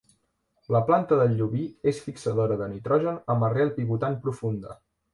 La planta del llobí és fixadora de nitrogen amb arrel pivotant profunda.